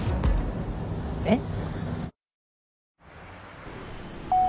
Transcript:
えっ？